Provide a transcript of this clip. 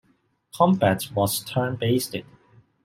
Combat was turn-based.